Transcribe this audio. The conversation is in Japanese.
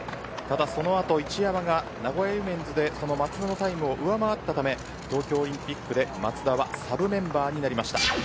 その後、一山が名古ウィメンズで上回ったため東京オリンピックで松田はサブメンバーになりました。